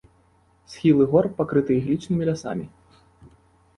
Схілы гор пакрыты іглічнымі лясамі.